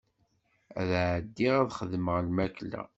Ad ɛeddiɣ ad xedmeɣ lmakla.